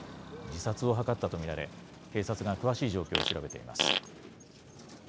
自殺を図ったと見られ、警察が詳しい状況を調べています。